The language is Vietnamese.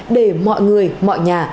để mọi người mọi nhà